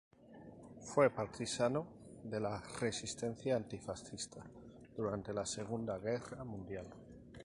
Fue partisano de la resistencia antifascista durante la Segunda Guerra Mundial.